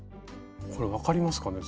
これ分かりますかね？